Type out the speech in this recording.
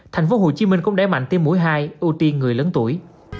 thành phố hồ chí minh cũng đáy mạnh tiêm mũi hai ưu tiên người lớn tuổi